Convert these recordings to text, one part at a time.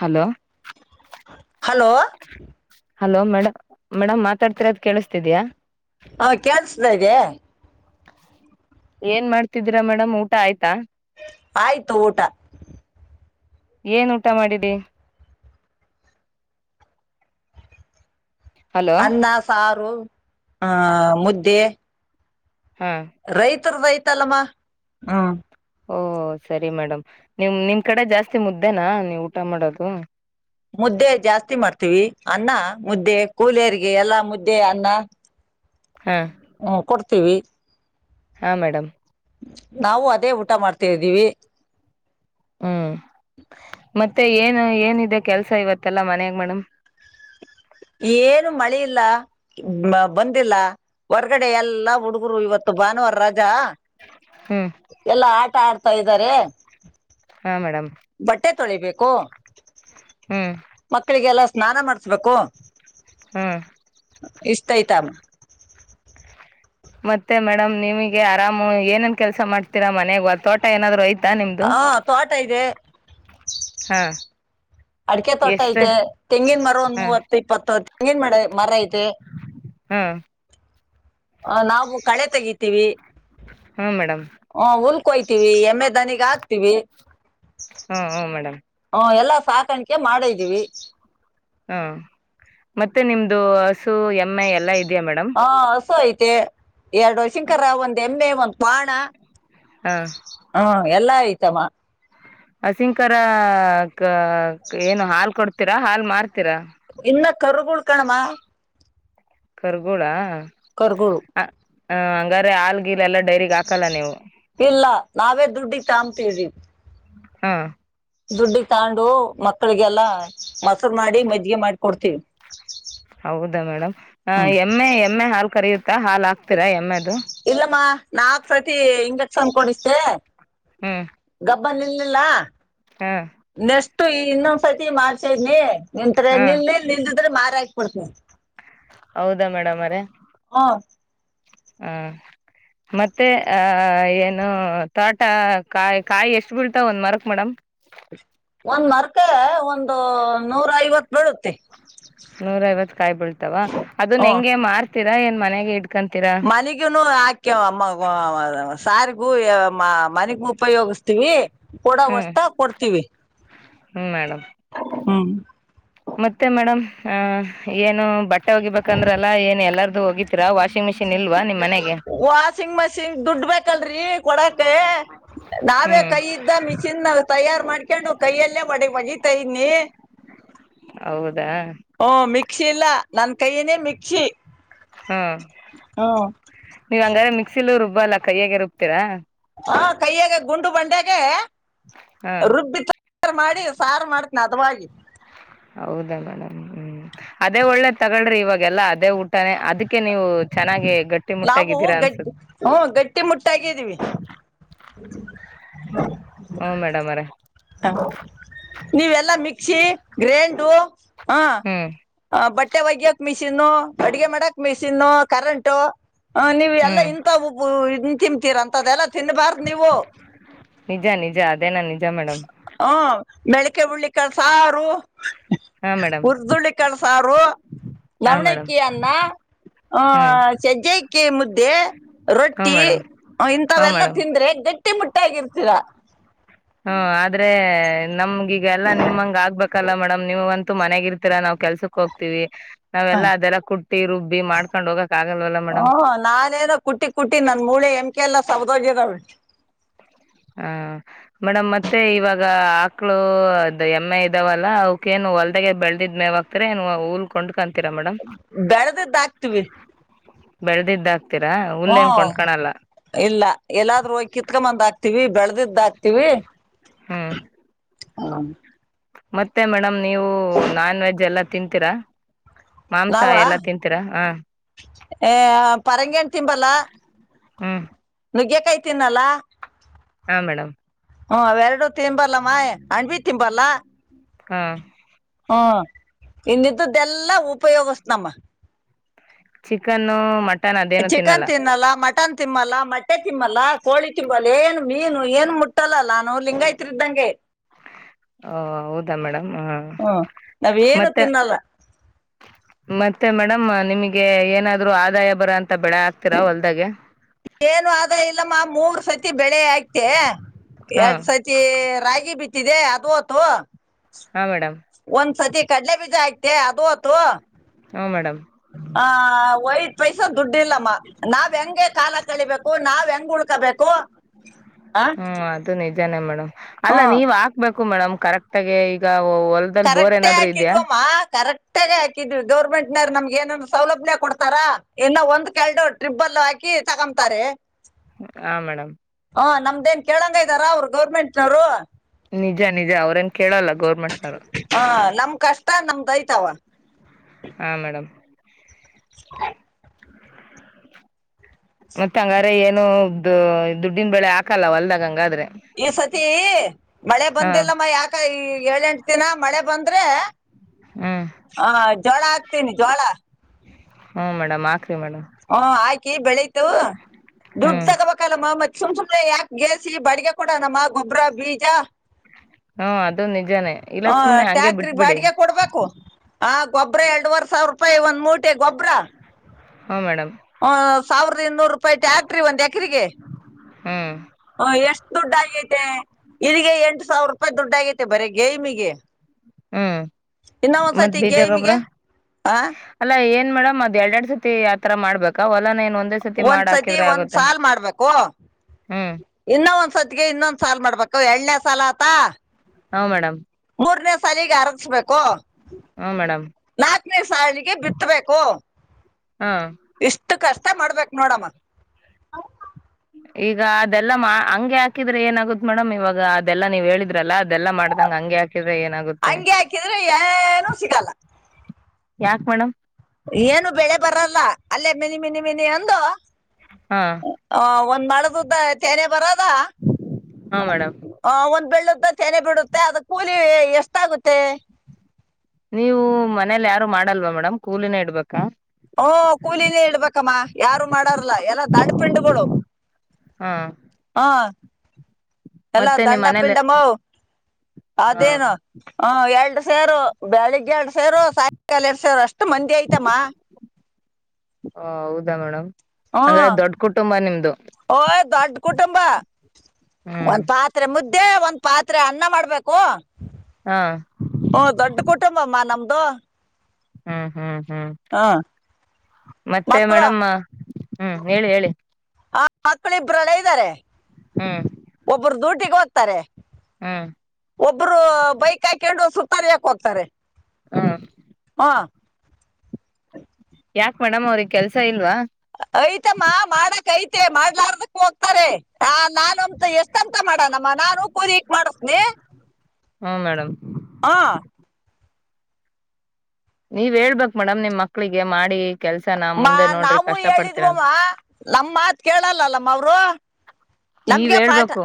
Hello hello hello ಮೇಡ madam ಮಾತಾಡ್ತಿರದ ಕೇಳಿಸಸ್ತಿದ್ಯಾ ಹಾ ಕೆಳ್ಸತಾ ಇದೆ. ಏನ್ ಮಾಡ್ತಿದೀರಾ ಮೇಡಮ್ ಊಟ ಆಯ್ತಾ. ಆಯ್ತು ಊಟ ಏನ್ ಊಟ ಮಾಡಿದಿ ಹಲೋ ಅನ್ನ ಸಾರು ಹ ಮುದ್ದೆ ಹಾ ರ್ಯತಲ್ಲಮ್ಮ ಹ್ಮ ಓಹ ಸರಿ ಮೇಡಮ್ ನಿಮ್ ನಿಮ್ ಕಡೆ ಜಾಸ್ತಿ ಮುದ್ದೇನಾ ನೀವು ಊಟ ಮಾಡೋದು. ಮುದ್ದೆ ಜಾಸ್ತಿ ಮಾಡ್ತೀವಿ ಅನ್ನ ಮುದ್ದೆ ಕೂಲಿಯರಿಗೆ ಎಲ್ಲಾ ಮುದ್ದೆ ಅನ್ನ. ಹಾ ಹ್ಮ್ ಕೊಡ್ತೀವಿ ಹಾ ಮೇಡಮ್ ನಾವು ಅದೇ ಊಟ ಮಾಡ್ತಿದ್ದೀವಿ. ಹ್ಮ್ ಮತ್ತೆ ಏನು ಏನಿದೆ ಕೆಲ್ಸ ಇವತ್ತಲ್ಲಾ ಮನಯಾಗ ಮೇಡಮ್. ಮ ಬಂದಿಲ್ಲ ಹೊರ್ಗಡೆ ಎಲ್ಲಾ ಹುಡುಗರು ಇವತ್ತು ಭಾನುವಾರ ರಜಾ. ಹ್ಮ್ ಎಲ್ಲ ಆ ಆಟ ಆಡ್ತಾ ಇದ್ದಾರೆ ಹಾ ಮೇಡಮ್. ಬಟ್ಟೆ ತೊಳಿಬೇಕು ಹ್ಮ್ ಮಕ್ಕಳಿಗೆಲ್ಲ. ಸ್ನಾನ ಮಾಡಿಸಬೇಕು. ಹಾ ಇಷ್ಟ ಆಯ್ತಮ್ಮ ಮತ್ತೆ ಮೇಡಮ್ ನಿಮಗೆ ಆರಾಮ್ ಏನೇನ್ ಕೆಲ್ಸ ಮಾಡ್ತೀರಾ ಮನೆಗ್ ತೋಟ ಏನಾದ್ರು ಐತ ಹಾ ತ್ವಾಟ ಇದೆ ಹಾ ಅಡಿಕೆ ತೋಟ ಎಷ್ಟ ಐತೆ ತೆಂಗಿನ ಮರ ಒಂದ್ ಹಾ ಮೂವತ್ತು ಇಪ್ಪತ್ತು ತೆಂಗಿನ ಮ ಮರ ಐತೆ ಹಾ ಹ ನಾವು ಕಳೆ ತೆಗಿತೀವಿ ಹ್ಮ ಮೇಡಮ್ ಕ್ವೈತೀವಿ ಎಮ್ಮೆ ನನಗ್ ಹಾಕ್ತೀವಿ ಹ್ಮ್ ಹ್ಮ್ ಮೇಡಮ್ ಹ ಎಲ್ಲ ಸಾಕಾಣಿಕೆ ಮಾಡಿದ್ದೀವಿ ಹಾ ಮತ್ತೆ ನಿಮ್ದು ಹಸು ಎಮ್ಮೆ ಎಲ್ಲ ಇದ ಹಾ ಹಸು ಆಯ್ತ ತೆ ಎರಡು ವಯಸ್ಸಿನಕರ ಒಂದ್ ಎಮ್ಮೆ ಒಂದ್ ಕ್ವಾಣ ಹಾ ಎಲ್ಲಾ ಆಐ್ತಮ ಹಸಿಂಕರ ಕ ಏನ ಹಾಲ್ ಕೊಡ್ ತ್ತೀರಾ ಹಾಲ್ ಮಾರ್ ತೀರಾ ಕರುಗುಳ್ಕಣಮ್ಮ ಕರ್ಗೋಳಾ ಕರುಗಳು ಹ ಅಂಗ ಹಾಲ ಇಲ್ಲ ನಾವೇ ದುಡ್ಡಿಗ ತಾಂಬ ತಿವಿ ಹಾ ದುಡ್ಡಿಗ ತಾಂಡು ಮಕ್ಕಳಿಗೆಲ್ಲಾ ಮೊಸರು ಮಾಡಿ ಮಜ್ಜಿಗೆ ಮಾಡಿಕೊಡ್ತಿವಿ ಹೌದಾ ಮೇಡಮ್ ಎಮ್ಮೆ ಎಮ್ಮೆ ಹಾಲ್ ಕರೆಯು ಇಲ್ಲಮ್ಮ ನಾಕ ಸತಿ ಇಂಜೆ ಕ್ಷೆನ್ ಕೊಡಸದೇ ಹ್ಮ್ ಬಲ್ಲಿಲ್ಲಿಲ್ಲ ಹಾ ತ ಇನ್ನೊಂದ್ಸತಿ ಮಾಡ್ಸಿದ್ನಿ ನಿಂತ್ರ ಹಾ ನಿಲ್ಲೆ ನಿಲ್ಲದಿದ್ರ ಮಾತ್ ಪಡ್ತ [unintelligible] ಹೌದಾ ಮೇಡಮ್ ಅವ್ರೆ ಆ ಹಾ ಮತ್ತೆ ಅ ಏನು ತ್ವಾಟ ಕಾಯಿ ಕಾಯಿ ಎಷ್ಟ ಬೀಳ್ತಾವ ಒಂದ್ ಮರಕ್ ಮೇಡಮ್ ಒಂದ್ ಮರ್ಕ ಒಂದು ನೂರಾ ಐವತ್ತ ಬೀಳುತ್ತೆ ನೂರ ಐವತ್ತು ಕಾಯ್ ಬಳ್ತಾವ ಅದನ್ನ ಹೆಂಗೆ ಮಾರ್ ತೀರ ಯೆನ್ ಮನೆಗ್ ಇ ಮನೆಗನು ಹಾಕ್ಯವ ಅಮ್ಮ [unintelligible] ಸಾರಿಗೂ ಮನೆಗೂ ಉಪಯೋಗಿಸತವಿ ಹ್ಮ್ ಕೊಡವಷ್ಟ ಕೊಡ್ತೀವಿ ಹ್ಮ್ ಮೇಡಮ್ ಹ್ಮ್ ಮತ್ತೆ ಮೇಡಮ್ ಅ ಏನು ಬಟ್ಟ ಹೋಗಿಬೇಕಂದ್ರೆಲ್ಲ ಏನ್ ಎಲ್ಲರೂ ಹೋಗಿದ್ದೀ ವಾಸಿಗ್‌ ಮಿಷನ್ ವಾಷಿಂಗ್ ಮಿಷಿನ್ ದುಡ್ ಬೇಕಲ್ರರಿ ಕೊಡಕ ನಾವೇ ಹ್ಮ್ ಕೈ ಇದ್ದ ಮಿಷಿನ್ ತಯಾರ್ ಮಾಡ್ಕೊಂಡು ಕೈಯಲ್ಲೇ ಮಡಿ ಒಗಿತಾ ಇದನಿ ದಾ ಮಿಕ್ಕಿಲ್ಲ ನನ್ನ ಕೈಯನೇ ಮಿ [unintelligible] ಹ್ಮ ನೀವ್ ಹಂಗ್ರ ಮಿಕ್ಸಿಬ್ ಬಲ್ಲ ಕೈಯಗೆ ರುಬ್ತೀರಾ ಹ ಕೈಯ್ಯಾಗ ಗುಂಡು ಬಂಡೆಗೆ ಹಾ ರುಬ್ಬಿತ ಮಾಡಿ ಸಾರು ಮಾಡ್ತೀನಿ ಹಡ್ವಾಗಿ ಹೌದಾ ಮೇಡಮ್ ಹ್ಮ್ ಅದೇ ಒಳ್ಳೆ ತಗಳ್ರಿ ಇವಾಗೆಲ್ಲಾ ಅದೇ ಊಟಾನ ಅದಕ್ಕೆ ನೀವು ಚೆನ್ನಾಗಿ ಗಟ್ಟಿ ನಾವು ಮುಟ್ಟಾಗಿದ್ದೀರಾ ಗಡ್ ಅನ್ಸುತ್ ಹ್ಮ ಗಟ್ಟಿ ಮುಟ್ಟಾಗಿದ್ದೀವಿ ಹ್ಮ ಹ್ಮ ಮೇಡಮ್ ಅವರೇ ಹ ನೀವೆಲ್ಲಾ ಮಿಕ್ಸಿ ಗ್ರೈಂಡು ಹಾ ಹ್ಮ್ ಬಟ್ ಬಟ್ಟೆ ಒಗ್ಯಕ್ ಮಿಷಿನ್ ಅಡಗೆ ಮಾಡಕೆ ಮಿಷಿನ್ ಕರೆಂಟ ಹ ನೀವು ಎಲ್ಲಾ ಹ್ಮ್ ಇಂಥ ಒ ತಿಮತಿರ ಅಂತದದೆಲ್ಲ ತಿನ್ನಬಾರ್ದು ನೀವು ನಿಜ ನಿಜ ಅದೇನ ನಿಜ ಮೇಡಮ್ ಹ ಬೆಳಗ್ ಕ ಉಳ್ಳಿಕ ಸಾರು ಹಾ ಮೇಡಮ್ ಹುರ್ದುಳ್ಳಿಕಾಳ ಸಾರು ಹಾ ಮೇಡಮ್ ಲವ್ಣಕ್ಕಿ ಅನ್ನ ಆ ಹ್ಮ್ ಸಜ್ಜಕಿ ಮುದ್ದೆ ಹ್ಮ್ ರೊಟ್ಟಿ ಮೇಡಮ್ ಹ್ಮ್ ಇಂಥವೆಲ್ಲ ಮೇಡಮ್ ತಿಂದ್ರೆ ಗಟ್ಟ [unintelligible] ಹುಟ್ಟಿ ಮುಟ್ಟಾಗಿರ್ತೀರ ಹ್ಮ ಆದ್ರೆ ನಮ ಈಗ ಎಲ್ಲ ನಿಮ್ಂಗ ಆಗ್ಬೇಕಲ್ಲ ಮೇಡಮ್ ನಿವು ಒಂತ ಅಂತ ಮನೆ ಇರ್ತೀರಾ ಕೆಲ್ಸಕ್ ಹೋಗ್ತೀವಿ ಹಾ. ನಾವೆಲ್ಲಾ ಅದೆಲ್ಲ ಕುಟ್ಟಿ ರುಬ್ಬಿ ಮಾಡ್ಕೊಂಡ್ ಹೋಗಕ್ ಆಗಲ್ವಲ್ಲ ಮೇಡಮ್ ಹ್ಮ್ ನಾನೇನೋ ಕುಟ್ಟಿ ಕುಟ್ಟಿ ನನ್ ಮೂಳೆ ಎಮ್ಕೆ ಎಲ್ಲ ಸವದೋಗಿದಾವೆ ಹ ಮೇಡಮ್ ಮತ್ತೆ ಇವಾಗ ಆಕ್ಳು ಎಮ್ಮೆ ಇದಾವಲ್ಲ ಅವಕೇಏನು ಹೊಲ್ದೆಗ ಬೆಳ್ದಿದ್ ಮೇವ ಹಕ್ತರ ಉಲ್ಕೊಂಡ ಬೆಳದದ್ದಾಕ್ತಿವಿ ಬೆಳೆದಿದ್ದಾಗ ಹ್ಮ ಇಲ್ಲ ಎಲ್ಲಾದ್ರೂ ಹೋಗಿ ಕಿತ್ಕೊಂಬಂದ್ ಆತ ಆತವಿ ಬೆಳದಿದ್ದಾಕ್ತಿವಿ ಹ್ಮ ಹ [inaudible] ಮತ್ತೆ ಮೇಡಮ್ ನೀವು ನಾನ್ ವೆಜ್ ಎಲ್ಲ ತಿಂತೀರಾ ಮಾಂಸ ನಾವ ಎಲ್ಲಾ ತಿಂತೀರಾ ಹ ಆ ಪರಂಗೇಣ್ ತಿಂಬಲ್ಲ ಹ್ಮ್ ನುಗ್ಗೆ ಕಾಯಿ ತಿನ್ನಲ್ಲ ಹಾ ಮೇಡಮ್ ಹ್ಮ ಎರಡೂ ತಿಂಬರ್ಲಾಮ ಅಂಪಿ ತಿಬಾರಲ್ಲ ಹಾ ಹ್ಮ ಇನ್ನಿದ್ದ್ದೆಲ್ಲಾ ಉಪಯೋಗಸ್ನಮ್ಮ ಚಿಕನ್ನು ಮ ಚಿಕನ್ ತಿನ್ನಲ್ಲ ಮಟನ್ ತಿಮ್ಮಲ್ಲ ಮೊಟ್ಟೆ ತಿಮ್ಮಲ್ಲ ಕೋಳಿ ತಿ ಬಲ್ ಏನ್ ಮೀನು ಏನು ಮುಟ್ಟಲ್ಲಲ್ಲಾನು ಲಿಂಗಾಯತ್ರ ಇದ್ದಂಗೆ ಹ ಹೌದಾ ಮೇಡಮ್ ಹ ಹ್ಮ್ ನಾವೇನು ಮತ್ತೆ ತಿನ್ನಲ್ಲ ಮತ್ತೆ ಮೇಡಮ್ ನಿಮಗೆ ಏನಾದ್ರು ಆದಾಯ ಬರಂತ ಏನು ಆದ ಇಲ್ಲಮ್ಮ ಮೂರ್ ಸತಿ ಬೆಳೆ ಅಯ್ತೆ ಹಾ ಎರಡ್ ಸತಿ ರಾಗಿ ಬಿತ್ತಿದೆ ಅದು ಹೊತ್ತು ಹಾ ಮೇಡಮ್ ಒಂದ್ಸತಿ ಕಡಲೆ ಬೀಜ ಆಯ್ತು ಅದುತ್ತು ಹ ಮೇಡಮ್ ಹ ವಯಟ್ ಪೈಸ ದುಡ್ ಇಲ್ಲಮ್ಮ ನಾವ್ ಹೆಂಗೆ ಕಾಲ ಕಳಿಬೇಕು ನಾವ್ ಹೆಂಗ ಉಳ್ಕಬೇಕು ಹ್ಮ್ ಅದು ನಿಜಾನೇ ಮೇಡಂ ಅಲ್ಲ ಹ್ಮ್ ನೀವ್ ಹಾಕ್ಬೇಕು ಹು ಮೇಡಮ್ ಕರೆಕ್ಟ್ಗೆ ಈಗ ಹೊಲ್ದಲ್ಲಿ ಬೋರ್ ಕರೆಕ್ಟೇ ಏನಾದ್ರು ಇದ್ಯಾ ಹಾಕಿದ್ವಮ್ಮ ಕರೆಕ್ಟಾಗ ಹಾಕಿದ್ವಿ ಗೌರ್ಮೆಂಟ್ನ ನಮ್ಗ ಏನ ಸೌಲಭ್ಯ ಕೊಡ್ತಾರಾ ಇನ್ನು ಒಂದ್ ಕೆಲ್ಡು ಟ್ರಿಬ್ಬಲ್ ಹಾಕಿ ತಗೊತಾರೆ ಹಾ ಮೇಡಮ್ ಹ ನಮ್ದೇನ್ ಕೇಳಂಗ ಇದ್ದಾರ ಅವರು ಗೌರ್ಮೆಂಟ್ನವರು ನಿಜ ನಿಜ ಅವ್ರೇನ್ ಕೇಳಲ್ಲ ಗೌರ್ಮೆಂಟ್ನವರು ಹ ನಮ್ ಕಷ್ಟ ನಮ್ದ ಐತಾವ ಹಾ ಮೇಡಮ್ [inaudible] ಮತ್ತೆ ಹಂಗಾರ ಏನು ಇದು ದುಡ್ಡಿನ ಬೆಳೆ ಹಾಕಲ್ಲ ಹೊಲ್ದಾಗ ಹಂಗಾದ್ರೆ ಈ ಸತಿ ಮಳೆ ಹಾ ಬಂದಿಲ್ಲಮ್ಮ ಯಾಕ ಏಳೆಂಟ ದಿನ ಮಳೆ ಬಂದ್ರೆ ಹ್ಮ್ ಹಾ ಜೋಳ ಹಾಕ್ತೀನಿ ಜೋಳ ಹ್ಮ್ ಮೇಡಮ್ ಅಕ್ [unintelligible] ಮೇಡಮ್ ಕಿ ಬೆಳಿತು ದುಡ್ಡು ಹ್ಮ್ ತಗಬೇಕಲ್ಲ ಮಮ್ಮತ್ ಸುಮ್ ಸುಮ್ನೆ ಯಾಕ್ ಗೇಸಿ ಬಡಿಗೆ ಕೊಡ ನಮ್ಮ ಗೊಬ್ಬ್ರ ಬೀಜ ಹ್ಮ ಅದು ನಿಜಾನೇ ಇಲ್ಲ ಹ ಸುಮ್ನೆ ಹಂಗಗೆ ಬಿಟ್ಬಿಡಿ ಗೊಬ್ರ ಎರಡುವರೆ ಸಾವಿರ ರೂಪಾಯಿ ಒಂದ್ ಮೂಟೆ ಗೊಬ್ಬ್ರ ಹುಂ ಮೇಡಮ್ ಹ್ ಸಾವಿದ ಇನ್ನೂರು ರೂಪಾಯಿ ಟ್ಯಾಕ್ಟ್ರಿ ಒಂದ ಏಕ್ ಕ್ರಗೆ ಹ್ಮ್ ಎಷ್ಟ ದುಡ್ಡ ಆಗೈತೆ ಇಗೆ ಎಂಟು ಸಾವಿರ ರೂಪಾಯಿ ದುಡ್ಡ ಆಗೈತೆ ಬರೀ ಗೇಮಿಗೆ ಹ್ಮ್ ಇನ್ನ ಮತ್ ಒಂದ್ಸತಿ ಬೀಜಾಗೊಬ್ರ ಗೇಮಿಗೆ ಆ ಅಲ್ಲಾ ಏನ್ ಮೇಡಮ್ ಅದ್ ಎರಡ್ ಎರಡ್ ಸತಿ ತರ ಮಾಡ್ಬೇಕಾ ಒಲನ ಏನ್ ಒಂದು ಒಂದ್ ಸತಿ ಒಂದ್ ಸಾಲ್ ಮಾಡ್ಬೇಕು ಹ್ಮ್ ಇನ್ನೊ ಒಂದ್ ಸತಿಗೆ ಇನ್ನೊಂದ್ ಸಾಲ್ ಮಾಡ್ಬೇಕು ಎಳ್ಳನೆ ಸಲತಾ ಹಾ ಮೇಡಮ್ ಮೂರನೇ ಸಾಲಿಗೆ ಅರಚ್ಬೇಕು ಹ ಮೇಡಮ್ ನಾಕನೇ ಸಾಲಿಗೆ ಬಿತ್ತಬೇಕು ಹ ಇಷ್ಟ್ ಕಷ್ಟ ಮಾಡ್ಬೇಕು ನೋಡಮ್ಮ ಈಗ ಅದೆಲ್ಲ ಹಂಗೆ ಹಾಕಿದ್ರೆ ಏನಾಗುತ್ತ್ ಮೇಡಮ್ ಇವಾಗ ಅದೆಲ್ಲ ನೀವ್ ಹೇಳಿದ್ರಲ್ಲ ಅದೆಲ್ಲಾ ಮಾಡ್ದಂಗ ಹಂಗಗೆ ಹಾಕಿದ್ರೆ ಏನಾಗುತ್ತೆ ಹಂಗೆ ಹಾಕಿದ್ರೆ ಏನು ಸಿಗಲ್ಲ ಯಾಕ್ ಮೇಡಮ್ ಏನು ಬೆಳೆ ಬರಲ್ಲ ಅಲ್ಲೇ ಮಿನಿ ಮಿನಿ ಮಿನಿ ಅಂದು ಹಾ ಆ ಒಟ್ ಮಳದುದ ತೆರೆ ಬರದ್ ಹಾ ಮೇಡಮ್ ಒಂದ್ ಬೆಳ್ಳದ್ ತೆನೆ ಬಿಡುತ್ತೆ ಅದ ಕೂಲಿ ಎಷ್ಟಾಗುತ್ತೆ ನೀವು ಮನೇಲಿ ಯಾರು ಮಾಡಲ್ವಾ ಮೇಡಮ್ ಕೂಲಿನ ಇಡ್ಬೇಕಾ ಹಓ ಕೂಲಿನೇ ಇಡ್ಬೇಕಮ್ಮ ಯಾರು ಮಾಡಾರ ಲ್ಲ ಎಲ್ಲ ದಂಡ ಪಿಂಡಗಳು ಹಾ ಹಾ ಎಲ್ಲ ಮತ್ತೆ ನಿಮ್ ದಂಡ ಮನೇಲಿ ಪಿಂಡ ಮ ಹಾ ಅದೇನು ಹ ಎಡು ಸೇರು ಬೆಳಿಗ್ಗೆ ಎರಡು ಸೇರು ಸಾಯಂಕಾಲ ಎರಡು ಸಾವರು ಅಷ್ಟು ಮಂದಿ ಐ್ತಮ್ಮ ಹ ಹೌದಾ ಮೇಡಮ್ ಹಂಗ್ರ ದೊಡ್ಡ ಕುಟುಂಬ ನಿಮ್ದು ಓ ದೊಡ್ಡ ಕುಟುಂಬ ಹ್ಮ್ ಒಂದ್ ಪಾತ್ರೆ ಮುದ್ದೆ ಇದೇ ಒಂದ್ ಪಾತ್ರೆ ಅನ್ನ ಮಾಡ್ಬೇಕು ಹಾ ಹ್ಮ ದೊಡ್ಡ ಕುಟುಂಬಮ್ಮ ನಮ್ದ ಬಾ ಹಾ ಹಾ ಹ್ಮ್ ಮತ್ತೆ ಮಕ್ಕಳು ಮೇಡಮ್ಮ ಹ್ಮ್ ಹೇಳಿ ಹೇಳಿ ಹ ಮತ್ಕ್ಕಳ ಇಬ್ಬರುಲ್ಲ ಇದ್ದಾರೆ ಹ್ಮ್ ಒಬ್ಬರು ದೊಡ್ಡ ಗ ಹೋಗ್ತಾರೆ ಹ್ಮ ಒಬ್ರು ಬೈಕ್ ಹಾಕೊಂಡು ಸುತ್ತಲಲಾಕ ಹೋಗ್ತಾರೆ ಹ್ಮ ಹಾ ಯಾಕ್ ಮೇಡಮ್ ಅವ್ರಗ್ ಕೆಲ್ಸ ಇಲ್ವಾ ಯ್ತಮ್ಮ ಮಾಡಕ್ತೆ ಮಾಡ್ಲಾರ್ದಕ್ ಹೋಗ್ತಾರೆ ಆ ನಾನ ಅಂತ ಎಷ್ಟಂತ ಮಾಡನಮ್ಮ ನಾನು ಕೂರಿಕ್ ಮಾಡಸ್ನಿ ಹ್ಮ ಮೇಡಮ್ ಹಾ ನೀವ್ ಹೇಳ್ಬೇಕಕ್ ಮೇಡಮ್ ನಿಮ್ ಮಕ್ಳಿಗೆ ಮಾಡಿ ಕೆಲ್ಸನ ಮಾ ಮುಂದೆ ನೋಡ್ರಿ ನಾವು ಕಷ್ಟ ಪಡ್ತೀರ ಹೇಳಿದ್ವಮ್ಮ ನಮ ಮಾತ್ ಕೇಳಲ್ಲಲ್ಲಮ್ಮ ಅವರು ನೀವ್ ನಮ್ಗೆ ಪಾಠ ಹೇಳ್ಬೇಕು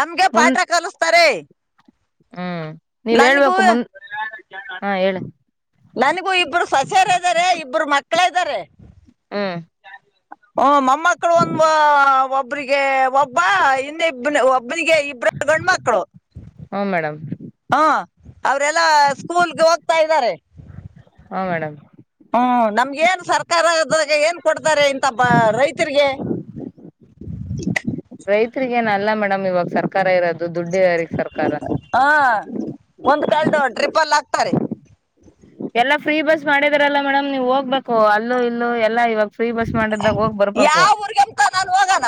ನಮ್ಗೆ ಪಾಠ ಮುಂದ್ ಕಲಿಸ್ತಾರೆ ಹ್ಮ್ ನೀವ್ ನನ್ಗೂ ಹೇಳ್ಬೇಕು ಮುಂದ್ ಹಾ ಹೇಳಿ ನನಗೂ ಇಬ್ರು ಸೊಸಾರ ಇದಾರೆ ಇಬ್ಬರು ಮತ್ತ ಮಕ್ಕಳ ಇದ್ದಾರೆ ಹ್ಮ ಹ ಮಮ್ಮಕ್ಕಳು ಒಂದ ಒಬ್ಬ್ರಿಗೆ ಒಬ್ಬ ಹಿಂದೆಿಬ್ ಒಬ್ ಇಬ್ಬಿಗೆ ಇಬ್ರ ಗಂಡ್ಮಕ್ಕಳು ಹ್ಮ್ ಮೇಡಮ್ ಹಾ ಅವರೆಲ್ಲಾ ಸ್ಕೂಲ್ಗೆ ಹೋಗ್ತಾ ಇದ್ದಾರೆ ಹಾಂ ಮೇಡಮ್ ಹ್ಮ್ ನಮ್ಗ ಏನ್ ಸರ್ಕಾರದಾಗ ಏನ್ ಕೊಡ್ತಾರೆ ಇಂತ ಬ ರೈತರಿಗೆ ನಮ್ ಇವಾಗ ಸರ್ಕಾರ ಇರೋದು ದುಡ್ಡು ಸರ್ಕಾರ ಹಾ ಒಂದ ಕಳದು ಟ್ರಿಪಲ್ ಆಗ್ತಾರೆ ಎಲ್ಲಾ ಫ್ರೀ ಬಸ್ ಮಾಡಿದಾರಲ್ಲ ಮೇಡಮ್ ನೀವ್ ಹೋಗ್ಬೇಕು ಅಲ್ಲೂ ಇಲ್ಲೂ ಎಲ್ಲಾ ಇವಾಗ ಫ್ರೀ ಬಸ್ ಮಾಡಿದಾಗ ಹೋಗ್ ಬರ್ಬೇಕು ಯಾವ ಊರ್ಗೆಮತ ನಾನು ಹೋಗಣ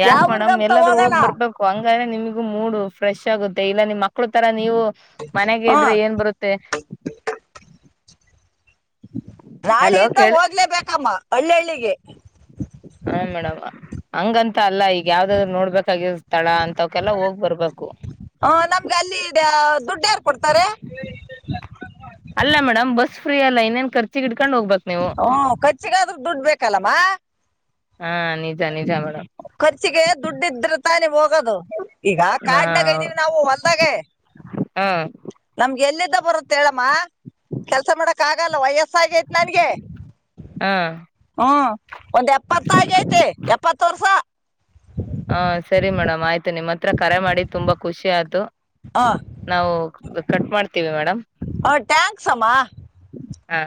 ಯಾಕ್ ಯಾವ ಮೇಡಮ್ ಊರ್ಗಂತ ಎಲ್ಲಾದ್ರೂ ಹೋಗ್ ಹೋಗಣ ಬರ್ಬೇಕು ಹಂಗ ನಿಮಗ ಮೂಡ್ ಫ್ರೆಶ್ ಆಗುತ್ತೆ ಇಲ್ಲ ನಿಮ್ ಮಕ್ಳು ತರ ನೀವು ಮನೆಗೆ ಹ್ಮ್ ಇದ್ರೆ ಏನ್ ಬರುತ್ತೆ ನಾಳಿ ಎಲ್ಲೋ ಇದ್ದ ಕೇಳ ಹೋಗ್ಲೇಬೇಕಮ್ಮ ಹಳ್ಳಳ್ಳಿಗೆ ಹ ಮೇಡಮ್ ಹಂಗಂತ ಅಲ್ಲ ಈಗ ಯಾವ್ದಾದ್ರು ನೋಡ್ಬೇಕಾಗಿ ತಳ ಅಂತಕಲ್ಲ ಹೋಗ್ ಬರ್ಬೇಕು ದುಡ್ಡೆ ಕೊಡ್ತಾರೆ ಅಲ್ಲ ಮೇಡಮ್ ಬಸ್ ಫ್ರೀ ಅಲ್ಲ ಇಏನ್ ಹಓ ಕಚ್ಚಿಗಾದ್ರೂ ದುಡ್ಡು ಬೇಕಲ್ಲಮ್ಮ ಹಾ ನಿಜ ನಿಜ ಮೇಡಮ್ ಖರ್ಚಿಗೆ ದುಡ್ಡು ಇದ್ರ ತಾನೇ ಹೋಗದು ಈಗ ನಾ ಕಾಡ್ನಾಗ ಇದ್ದೀವಿ ನಾವು ಹೊಲ್ದಾಗ ಹ ನಮ್ಗೆ ಎಲ್ಲ ಬರಂತ ಹೇಳಮ್ಮ ಕೆಲ್ಸ ಮಾಡಕ ಆಗಲ್ಲ ವಯಸ್ಸ ಹೊಸ ಆಗೇತ್ ನನ್ಗೆ ಹ ಹ್ಮ್ ಒಂದ್ ಎಪ್ಪತ್ತಾಯ ಐತಿ ಎಪ್ಪತ್ತು ವರ್ಷ ಹಾ ಸರಿ ಮೇಡಮ್ ಆಯ್ತು ನಿಮ್ಮ್ ಹತ್ರ ಕರೆ ಮಾಡಿ ತುಂಬಾ ಖುಷಿ ಆಯ್ತು ನಾವು ಕಟ್ ಮಾಡ ಹ ಟ್ಯಾಂಕ್ಸ್ಮ್ ಹಾ